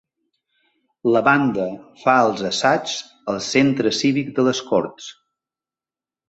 La banda fa els assaigs al Centre Cívic de les Corts.